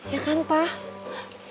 ya kan pak